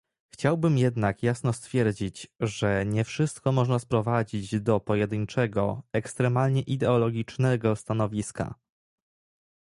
Chciałabym jednak jasno stwierdzić, że nie wszystko można sprowadzić do pojedynczego, ekstremalnie ideologicznego stanowiska